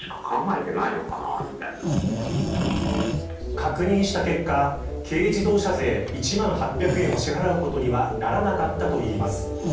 確認した結果軽自動車税１万８００円を支払うことにはならなかったといいます。